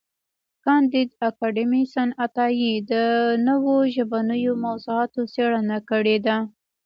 کانديد اکاډميسن عطايي د نوو ژبنیو موضوعاتو څېړنه کړې ده.